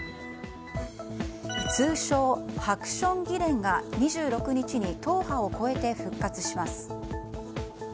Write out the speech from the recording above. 通称ハクション議連が２６日に党派を超えて復活します。